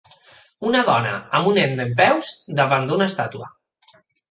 Una dona amb un nen dempeus davant d'una estàtua.